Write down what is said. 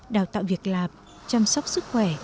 đào tạo việc lạp chăm sóc sức khỏe